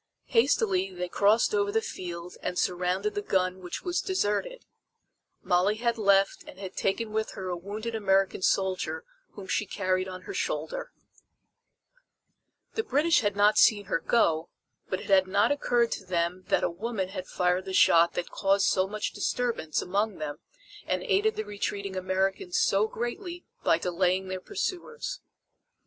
Hastily they crossed over the field and surrounded the gun which was deserted. Molly had left and had taken with her a wounded American soldier whom she carried on her shoulder. [Illustration: THE CANNON BALLS FIRED BY MOLLY PITCHER FELL SQUARELY IN THE BRITISH LINES] The British had seen her go, but it had not occurred to them that a woman had fired the shot that caused so much disturbance among them and aided the retreating Americans so greatly by delaying their pursuers.